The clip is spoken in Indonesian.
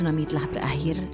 tsunami telah berakhir